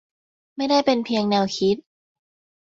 ไม่ได้เป็นเพียงแนวคิด